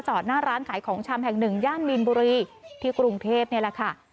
หน้าร้านขายของชำแห่งหนึ่งย่านมีนบุรีที่กรุงเทพนี่แหละค่ะ